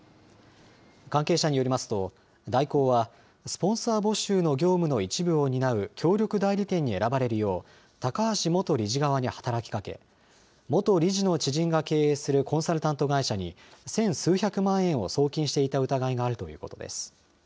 関係者によりますと、大広はスポンサー募集の業務の一部を担う協力代理店に選ばれるよう、高橋元理事側に働きかけ、元理事の知人が経営するコンサルタント会社に、千数百万円を送金していた疑いがあるということです。